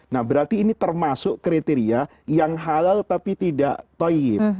nah berarti ini termasuk kriteria yang halal tapi tidak toyib